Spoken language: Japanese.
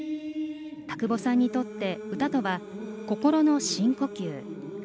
田久保さんにとって歌とは心の深呼吸。